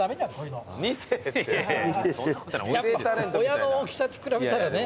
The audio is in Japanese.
親の大きさと比べたらね。